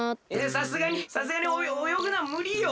さすがにさすがにおよぐのはむりよ！